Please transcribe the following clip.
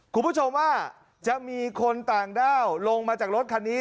คุณผู้ชมว่าจะมีคนต่างด้าวลงมาจากรถคันนี้